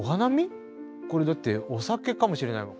これだってお酒かもしれない。